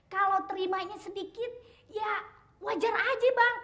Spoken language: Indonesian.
kalau terimanya sedikit ya wajar aja bang